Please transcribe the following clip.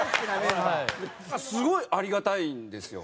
すごいありがたいんですよ。